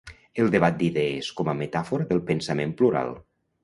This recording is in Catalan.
El debat d’idees com a metàfora del pensament plural.